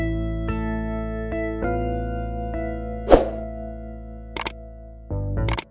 gak mau tau